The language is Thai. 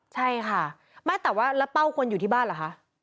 ใช่ค่ะไม่แต่ว่าแล้วเป้าควรอยู่ที่บ้านเหรอคะ